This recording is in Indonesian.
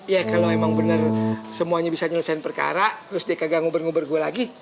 ya kalo emang bener semuanya bisa nyelesain perkara terus dia gak ngubur ngubur gua lagi